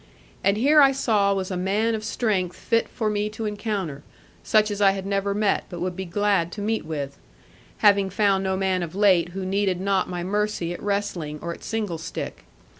And here I saw was a man of strength fit for me to encounter, such as I had never met, but would be glad to meet with; having found no man of late who needed not my mercy at wrestling, or at single stick.